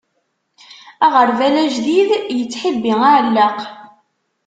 Aɣerbal ajdid, yettḥibbi aɛellaq.